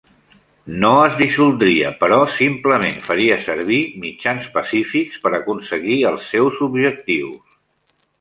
No es dissoldria, però simplement faria servir mitjans pacífics per aconseguir els seus objectius.